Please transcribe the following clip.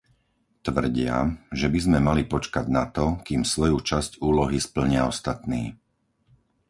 Tvrdia, že by sme mali počkať na to, kým svoju časť úlohy splnia ostatní.